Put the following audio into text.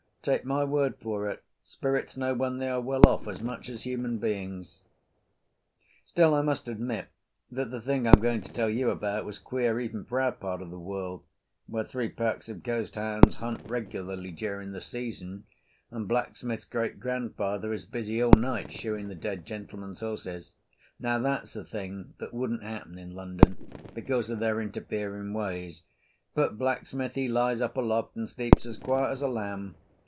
Take my word for it, spirits know when they are well off as much as human beings. Still, I must admit that the thing I'm going to tell you about was queer even for our part of the world, where three packs of ghost hounds hunt regularly during the season, and blacksmith's great grandfather is busy all night shoeing the dead gentlemen's horses. Now that's a thing that wouldn't happen in London, because of their interfering ways, but blacksmith he lies up aloft and sleeps as quiet as a lamb.